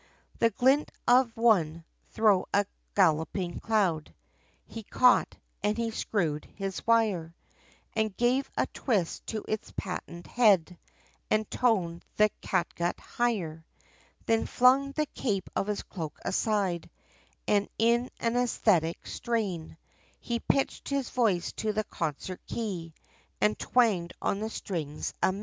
The glint of one, thro' a galloping cloud, He caught, and he screwed his wire, And gave a twist, to its patent head, And toned the catgut higher. Then flung the cape of his cloak aside, And in an æsthetic strain, He pitched his voice, to the concert key, And twanged on the strings amain.